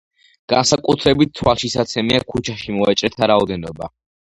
განსაკუთრებით თვალშისაცემია ქუჩაში მოვაჭრეთა რაოდენობა.